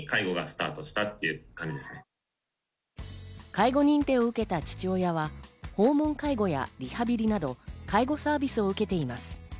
介護認定を受けた父親は、訪問介護やリハビリなど介護サービスを受けています。